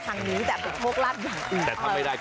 หลังรถพี่น้องค่ะพี่น้องค่ะใช่ครับ